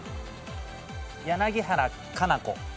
柳原可奈子。